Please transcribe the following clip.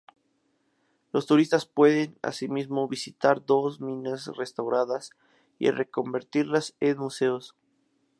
Los turistas pueden, asimismo, visitar dos minas restauradas y reconvertidas en museos.